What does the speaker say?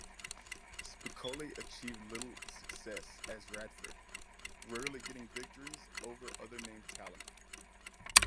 Spicolli achieved little success as Radford, rarely getting victories over other name talent.